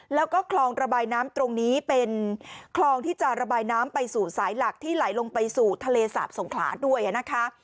แล้วก็คลองระบายน้ำตรงนี้เป็นคลองที่จะระบายน้ำไปสู่สายหลักที่ไหลลงไปสู่ทะเลสาบสงขลาด้วยนะคะ